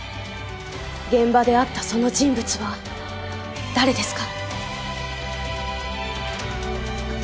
現場で会ったその人物は誰ですか？